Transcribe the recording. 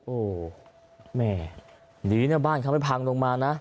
โอ้โหแม่ดีเนี่ยบ้านเขาไม่พังลงมานะ